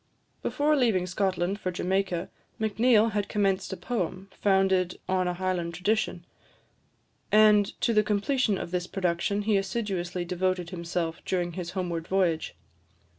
Before leaving Scotland for Jamaica, Macneill had commenced a poem, founded on a Highland tradition; and to the completion of this production he assiduously devoted himself during his homeward voyage.